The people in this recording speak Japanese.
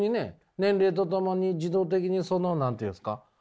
年齢とともに自動的にその何て言うんですか？